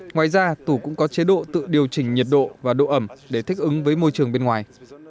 ngoài ra tủ cũng có chế độ tự điều chỉnh nhiệt độ và độ ẩm để thích ứng với môi trường bên ngoài